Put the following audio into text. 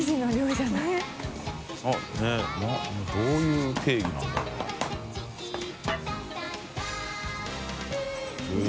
佑どういう定義なんだろうな？